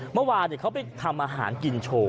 เมื่อวานเขาไปทำอาหารกินโชว์